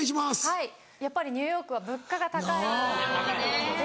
はいやっぱりニューヨークは物価が高いので。